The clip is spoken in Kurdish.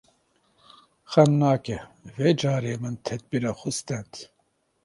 Xem nake vê carê min tedbîra xwe stend.